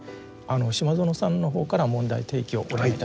島薗さんの方から問題提起をお願いいたします。